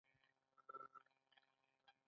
په لوېدیځه اروپا کې د چاپ د ماشین ارزښت احساس شو.